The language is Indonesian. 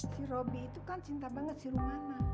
si robi itu kan cinta banget si rumana